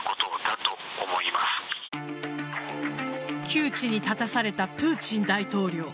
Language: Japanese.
窮地に立たされたプーチン大統領。